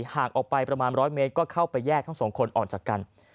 ห่างออกไปประมาณ๑๐๐เมตรก็เข้าไปแยกทั้งสองคนออกจากกัน